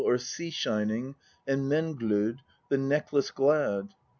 xxxix or Sea shining, and Menglod, the Necklace glad.